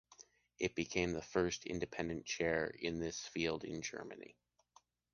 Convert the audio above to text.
It became the first independent chair in this field in Germany.